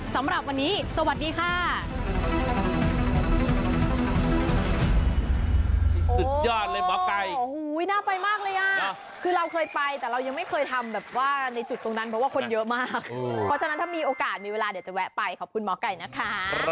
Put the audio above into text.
สำหรับวันนี้สวัสดีค่ะ